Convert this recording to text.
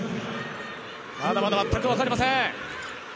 まだまだ全く分かりません。